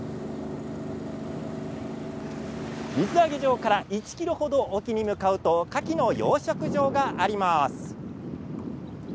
水揚げ場から１ｋｍ程沖に向かうとカキの養殖場があります。